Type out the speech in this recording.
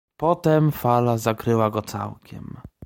Potem fala zakryła go całkiem.